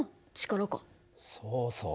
そうそう。